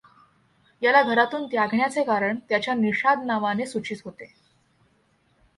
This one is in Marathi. याला घरातून त्यागण्याचे कारण त्याच्या निषाद नावाने सुचित होते.